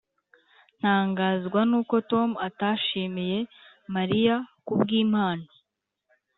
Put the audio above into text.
ntangazwa nuko tom atashimiye mariya kubwimpano.